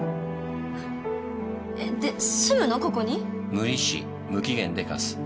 無利子無期限で貸す。